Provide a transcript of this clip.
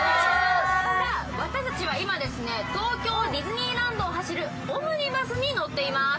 私たちは今、東京ディズニーランドを走るオムニバスに乗っています。